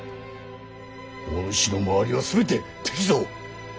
お主の周りは全て敵ぞ。